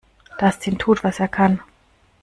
Dustin tut, was er kann.